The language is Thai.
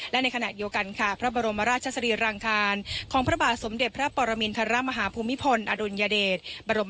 และในขณะเดียวกันค่ะพระบรมราชสรีรังคารของพระบาทสมเด็จพระปรมินทรมาฮภูมิพลอดุลยเดช